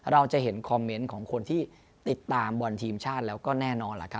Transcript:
เราจะเห็นคอมเมนต์ของคนที่ติดตามบอลทีมชาติแล้วก็แน่นอนล่ะครับ